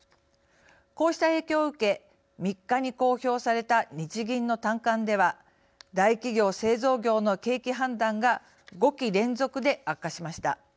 こうした影響を受け３日に公表された日銀の短観では大企業製造業の景気判断が５期連続で悪化しました。